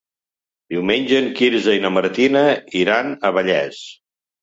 Diumenge en Quirze i na Martina iran a Vallés.